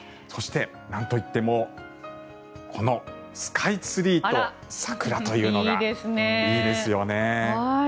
そしてなんといってもこのスカイツリーと桜というのがいいですよね。